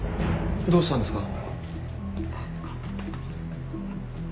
どうしたんですか？